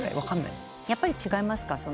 やっぱり違いますか？